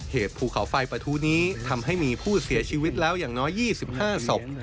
ภูเขาไฟประทู้นี้ทำให้มีผู้เสียชีวิตแล้วอย่างน้อย๒๕ศพ